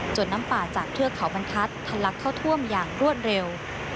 น้ำป่าจากเทือกเขาบรรทัศน์ทะลักเข้าท่วมอย่างรวดเร็ว